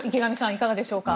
いかがでしょうか。